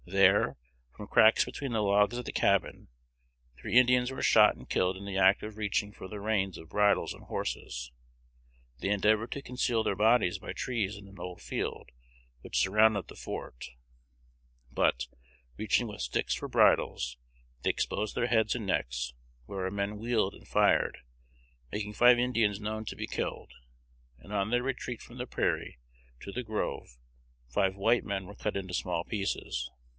There, from cracks between the logs of the cabin, three Indians were shot and killed in the act of reaching for the reins of bridles on horses. They endeavored to conceal their bodies by trees in an old field which surrounded the fort; but, reaching with sticks for bridles, they exposed their heads and necks, and all of them were shot with two balls each through the neck. These three, and the two killed where our men wheeled and fired, make five Indians known to be killed; and on their retreat from the prairie to the grove, five white men were cut into small pieces.